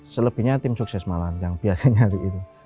selebihnya tim sukses malah yang biasanya dari itu